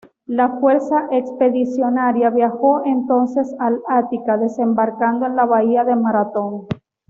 La fuerza expedicionaria viajó entonces al Ática, desembarcando en la bahía de Maratón.